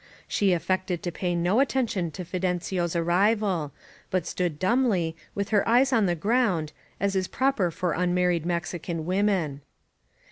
She affected to pay no attention to Fidencio's arrival, but stood dimibly, with her eyes on the ground, as is proper for unmar ried Mexican women.